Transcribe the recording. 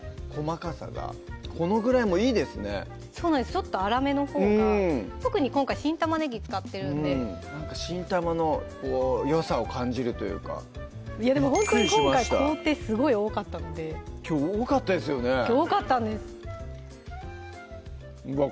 ちょっと粗めのほうが特に今回新玉ねぎ使ってるんで新玉のよさを感じるというかでもほんとに今回工程すごい多かったのできょう多かったですよね多かったんですうわ